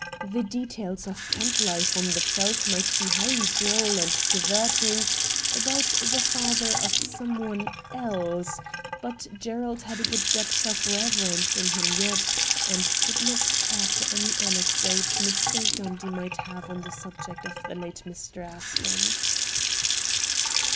The details of camp life on the Veldt might be highly droll and diverting about the father of someone 234 RED DIAMONDS else, but Gerald had a good depth of reverence in him yet, and did not care for any anecdotes Mr. Gundy might have on the subject of the late Mr. Aspen.